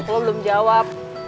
lo belum jawab